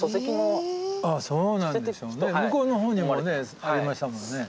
向こうのほうにもねありましたもんね。